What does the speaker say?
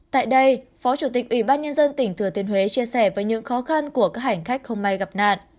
tại đây phó chủ tịch ủy ban nhân dân tỉnh thừa thiên huế chia sẻ với những khó khăn của các hành khách không may gặp nạn